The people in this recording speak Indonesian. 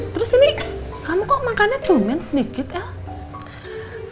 terus ini kamu kok makannya tumen sedikit el